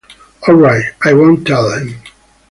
All right, I won't tell him.